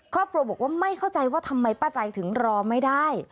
ครอบครัวบอกว่าไม่เข้าใจว่าทำไมป้าใจถึงรอไม่ได้